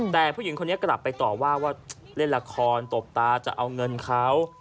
แต่ผู้หญิงคนนี้กลับไปต่อว่าว่าเล่นละครตบตาจะเอาเงินเขา